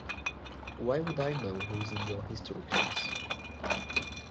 Why would I know who’s in your history class?